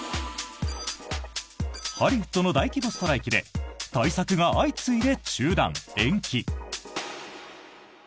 ハリウッドの大規模ストライキで大作が相次いで中断・延期。